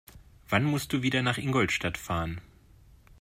Wann musst du wieder nach Ingolstadt fahren?